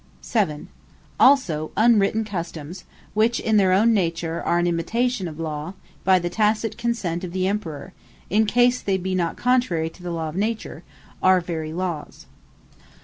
7. Also, Unwritten Customes, (which in their own nature are an imitation of Law,) by the tacite consent of the Emperour, in case they be not contrary to the Law of Nature, are very Lawes.